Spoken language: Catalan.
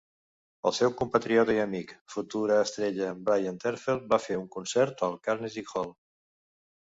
El seu compatriota i amic, futura estrella Bryn Terfel, va fer un concert al Carnegie Hall.